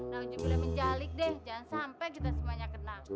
nah ujung boleh menjalik deh jangan sampai kita semuanya kenang